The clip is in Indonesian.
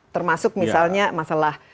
termasuk misalnya masalah